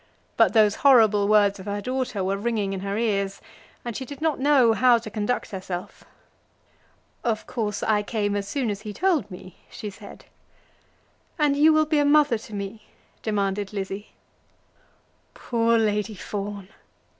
But those horrible words of her daughter were ringing in her ears, and she did not know how to conduct herself. "Of course I came as soon as he told me," she said. "And you will be a mother to me?" demanded Lizzie. Poor Lady Fawn!